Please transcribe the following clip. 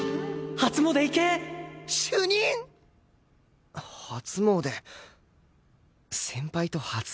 初詣先輩と初詣か